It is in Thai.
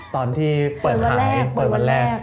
ตอนที่เปิดขายเปิดวันแรก